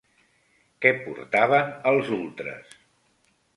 Què portaven els ultres?